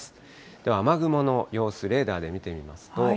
では雨雲の様子、レーダーで見てみますと。